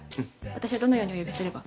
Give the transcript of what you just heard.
私はどのようにお呼びすれば？